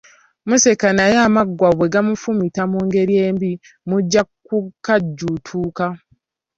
Museka naye amaggwa bwe gamufumita mu ngeri embi mujja kukajjuutuka.